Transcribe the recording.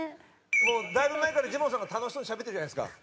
もうだいぶ前からジモンさんが楽しそうにしゃべってるじゃないですか。